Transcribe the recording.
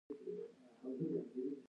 د پښتو ژبې وړومبے ليکوال دی